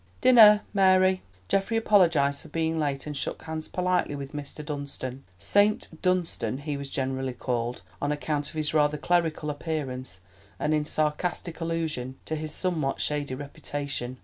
Dinner, Mary." Geoffrey apologised for being late, and shook hands politely with Mr. Dunstan—Saint Dunstan he was generally called on account of his rather clerical appearance and in sarcastic allusion to his somewhat shady reputation.